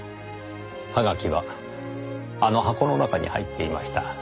はがきはあの箱の中に入っていました。